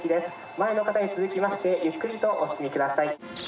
前の方に続きましてゆっくりとお進みください。